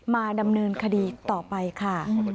มาดำเนินคดีต่อไปค่ะ